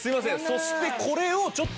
そしてこれをちょっと。